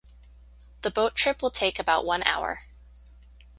The boat trip will take about one hour.